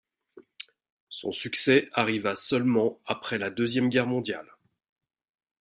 Son succès arriva seulement après la Deuxième Guerre mondiale.